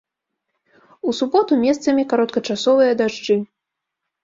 У суботу месцамі кароткачасовыя дажджы.